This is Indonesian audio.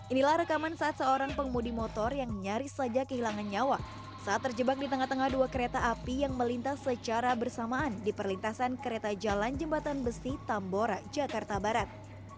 inilah rekaman saat seorang pengemudi motor yang nyaris saja kehilangan nyawa saat terjebak di tengah tengah dua kereta api yang melintas secara bersamaan di perlintasan kereta jalan jembatan besi tambora jakarta barat